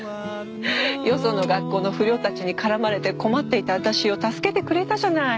よその学校の不良たちに絡まれて困っていた私を助けてくれたじゃない。